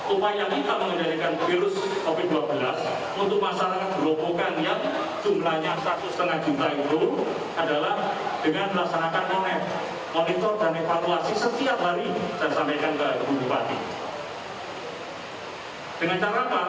upaya kita mengendalikan virus covid sembilan belas untuk masyarakat berlombokan yang jumlahnya satu lima juta itu